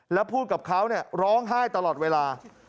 แล้วพูดกับเขาร้องไห้ตลอดเวลา